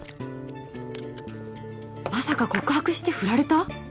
まさか告白して振られた？